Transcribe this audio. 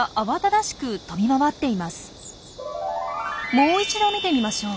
もう一度見てみましょう。